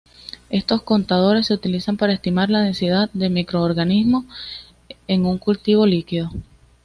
Estos contadores se utilizan para estimar la densidad de microorganismos en un cultivo líquido.